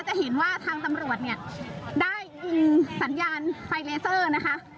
จะเห็นว่าทางตำรวจเนี่ยได้ยิงสัญญาณไฟเลเซอร์นะคะ